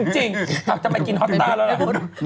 จริงอ้าวจะไปกินฮอตตาแล้วนะ